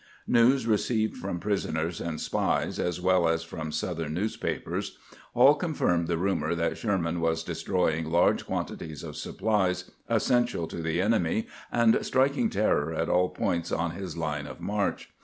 News received from prisoners and spies, as well as from Southern news papers, all confirmed the rumor that Sherman was de stroying large quantities of supplies essential to the enemy, and striking terror at aU points on his line of march.